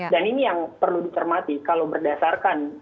dan ini yang perlu dicermati kalau berdasarkan